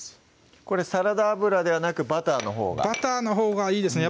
これサラダ油ではなくバターのほうがバターのほうがいいですね